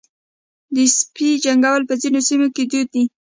د سپي جنګول په ځینو سیمو کې دود دی.